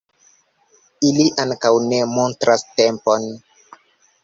Ili ankaŭ ne montras tempon.